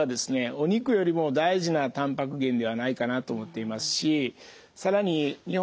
お肉よりも大事なたんぱく源ではないかなと思っていますし更に日本人は工夫してですね